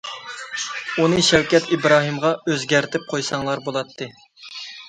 ئۇنى شەۋكەت ئىبراھىمغا ئۆزگەرتىپ قويساڭلار بولاتتى.